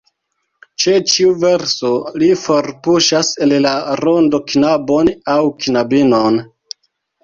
Ĉe ĉiu verso li forpuŝas el la rondo knabon aŭ knabinon.